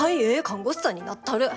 看護師さんになったる。